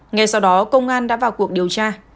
ngay sau đó công an đã vào cuộc điều tra